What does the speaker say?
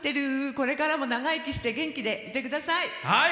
これからも長生きして元気でいてください！